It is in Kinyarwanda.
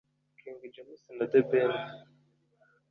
King James na The Ben